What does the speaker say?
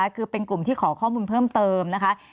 คือเป็นกลุ่มที่ขอข้อมูลเพิ่มเติมนะคะ